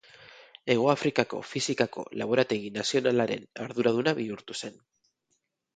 Hegoafrikako Fisikako Laborategi Nazionalaren arduraduna bihurtu zen.